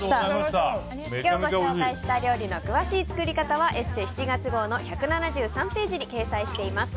今日ご紹介した料理の詳しい作り方は「ＥＳＳＥ」７月号の１７３ページに掲載しています。